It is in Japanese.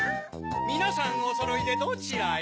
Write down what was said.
みなさんおそろいでどちらへ？